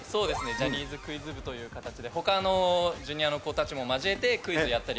ジャニーズクイズ部という形で他のＪｒ．の子たちも交えてクイズやったり。